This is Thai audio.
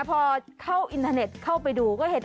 พอเข้าอินเทอร์เน็ตเข้าไปดูก็เห็น